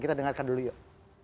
kita dengarkan dulu yuk